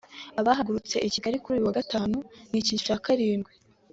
Abahagurutse i Kigali kuri uyu wa Gatanu ni ikiciro cya karindwi